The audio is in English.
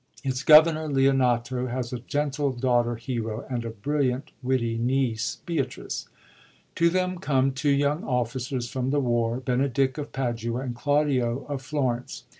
Its governor, Leonato, has a gentle daughter. Hero, and a brilliant, witty niece, Beatrice. To them come two young officers from the war, Benedick of Padua, and Claudio of Florence.